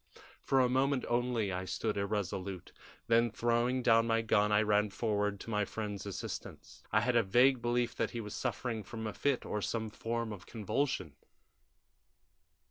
"For a moment only I stood irresolute, then, throwing down my gun, I ran forward to my friend's assistance. I had a vague belief that he was suffering from a fit or some form of convulsion.